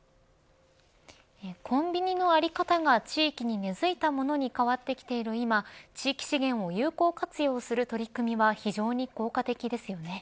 コンビニの在り方が地域に根づいたものに変わってきている今地域資源を有効活用する取り組みは非常に効果的ですよね。